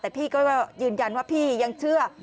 แต่พี่ก็ยืนยันว่าพี่ยังเชื่อ